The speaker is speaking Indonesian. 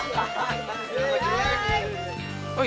jadi kita full time buat ide gemer nanti